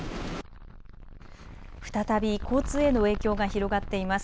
再び交通への影響が広がっています。